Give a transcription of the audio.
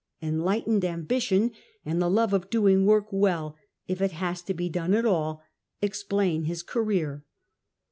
Enlightened ambition and the love of doing work well, if it has to be done at all, explain his career.